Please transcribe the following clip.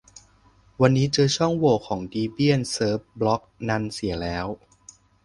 วันนี้เจอช่องโหว่ของดีเบียนเซิฟบล๊อกนันเสียแล้ว